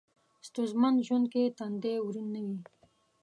ستونځمن ژوند کې تندی ورین نه وي.